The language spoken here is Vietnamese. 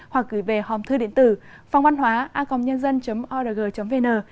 hoặc gửi về hòm thư điện tử phongvănhoaacomn org vn